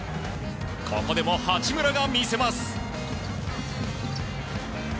ここでも八村が見せます。